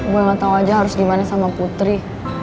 gue gak tau aja harus gimana sama putri